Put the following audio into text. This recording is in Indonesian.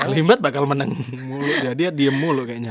limbad bakal menengah dia diem mulu kayaknya